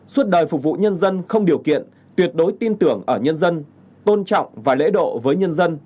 suốt đời phục vụ nhân dân không điều kiện tuyệt đối tin tưởng ở nhân dân tôn trọng và lễ độ với nhân dân